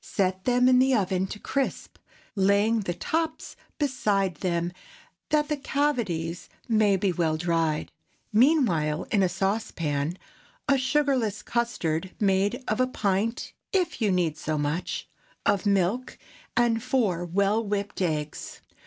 Set them in the oven to crisp, laying the tops beside them that the cavities may be well dried. Meanwhile, put into a saucepan a sugarless custard made of a pint—if you need so much—of milk, and four well whipped eggs.